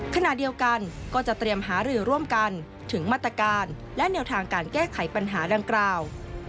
ก็จะเตรียมหารือร่วมกันถึงมตการและเนียวทางการแก้ไขปัญหาดังกล้าว